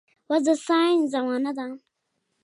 اوس د ساينس زمانه ده